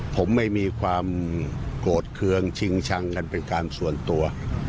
ผมไม่มีความโกรธเคืองชิงชังกันเป็นการส่วนตัว